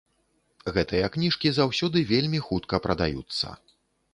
Гэтыя кніжкі заўсёды вельмі хутка прадаюцца.